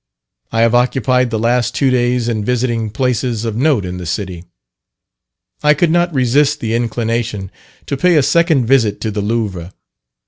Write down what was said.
I have occupied the last two days in visiting places of note in the city. I could not resist the inclination to pay a second visit to the Louvre.